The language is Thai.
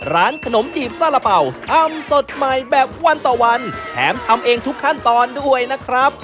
ร้านขนมจีบซาระเป่าทำสดใหม่แบบวันต่อวันแถมทำเองทุกขั้นตอนด้วยนะครับ